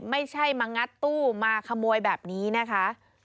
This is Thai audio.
ไม่ใช่มางัดตู้มาขโมยแบบนี้นะคะ